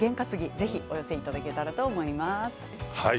ぜひお寄せいただけたらと思います。